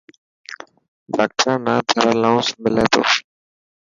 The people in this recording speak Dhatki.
ڊاڪٽران نا ٿر الاونس ملي تو.